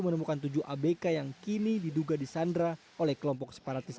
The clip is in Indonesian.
menemukan tujuh abk yang kini diduga disandra oleh kelompok separatis